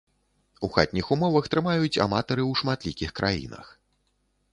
У хатніх умовах трымаюць аматары ў шматлікіх краінах.